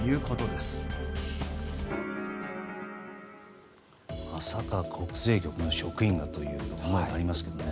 まさか国税局の職員がという思いがありますが。